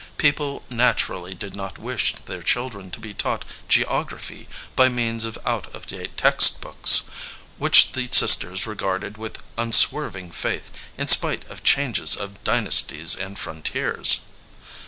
People naturally did not wish their children to be taught geography by means of out of date text books, which the sis ters regarded with unswerving faith in spite of changes of dynasties and frontiers.